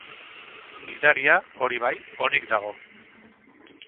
Gidaria, hori bai, onik dago.